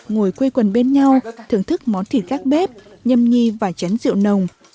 ngồi quây quần bên nhau thưởng thức món thịt gác bếp nhâm nhi và chén rượu nồng